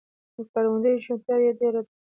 د کارموندنې شونتیا یې ډېره ده.